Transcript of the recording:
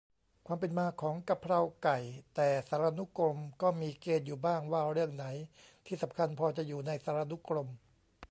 ความเป็นมาของกะเพราไก่ แต่สารานุกรมก็มีเกณฑ์อยู่บ้าง ว่าเรื่องไหนที่ "สำคัญพอ" จะอยู่ในสารานุกรม